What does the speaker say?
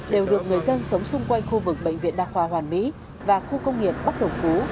đều được người dân sống xung quanh khu vực bệnh viện đa khoa hoàn mỹ và khu công nghiệp bắc đồng phú